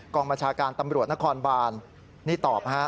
กองประชาการตำรวจนครบาลนี่ตอบ